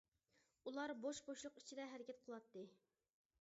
ئۇلار بوش بوشلۇق ئىچىدە ھەرىكەت قىلاتتى.